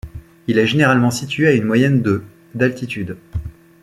Il est généralement situé à une moyenne de d'altitude.